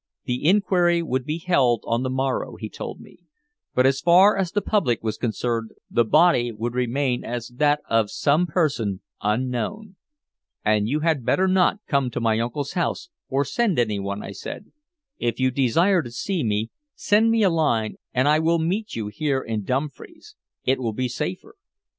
The inquiry would be held on the morrow, he told me, but as far as the public was concerned the body would remain as that of some person "unknown." "And you had better not come to my uncle's house, or send anyone," I said. "If you desire to see me, send me a line and I will meet you here in Dumfries. It will be safer."